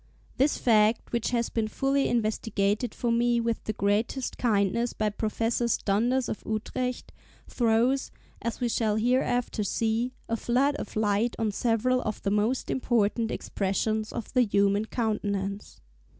This fact, which has been fully investigated for me with the greatest kindness by Professors Donders of Utrecht, throws, as we shall hereafter see, a flood of light on several of the most important expressions of the human countenance.